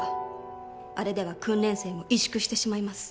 あれでは訓練生も萎縮してしまいます。